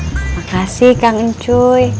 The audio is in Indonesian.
makasih kang encuy